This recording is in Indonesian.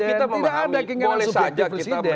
tidak ada keinginan sebagai presiden boleh saja kita